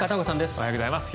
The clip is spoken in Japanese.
おはようございます。